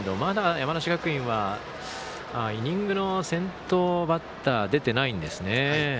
山梨学院はまだイニングの先頭バッター出ていないんですね。